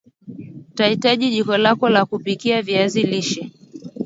Utahitaji jiko lako la kupikia viazi lishe